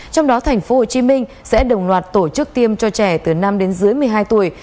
trong đó tp hcm sẽ đồng loạt tổ chức tiêm cho trẻ từ năm đến dưới một mươi hai tuổi